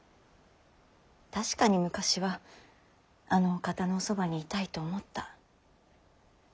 確かに昔はあのお方のおそばにいたいと思った。